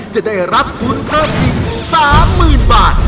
จะได้รับทุนเพิ่มอีก๓๐๐๐บาท